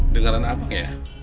dengaran abang ya